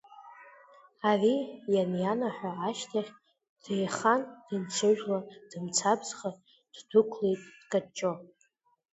Ари ианианаҳәа ашьҭахь деиханы дынҽыжәлан, дымцабзха днықәлеит дкаҷҷо.